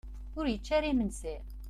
Ur yečči ara imensi?